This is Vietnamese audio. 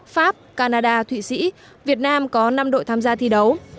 pháp canada thụy sĩ việt nam có năm đội tham gia thi đấu